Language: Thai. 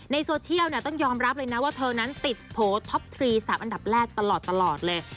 ในโซเชียลต้องยอมรับเลยนะว่าเธอนั้นติดโผล่ท็อปทรี๓อันดับแรกตลอดเลย